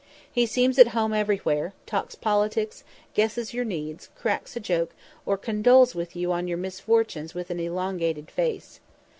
He seems at home everywhere; talks politics, guesses your needs, cracks a joke, or condoles with you on your misfortunes with an elongated face.